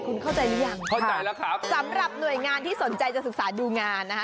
คุณเข้าใจหรือยังเข้าใจแล้วครับสำหรับหน่วยงานที่สนใจจะศึกษาดูงานนะคะ